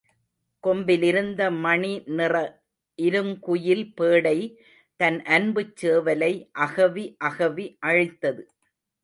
கொம்பிலிருந்த மணிநிற இருங்குயில் பேடை தன் அன்புச் சேவலை அகவி அகவி அழைத்தது.